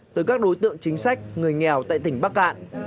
tới các đối tượng chính sách người nghèo tại tỉnh bắc cạn